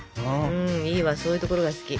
いいわそういうところが好き。